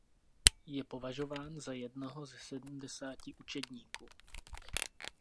Je považován za jednoho ze sedmdesáti učedníků.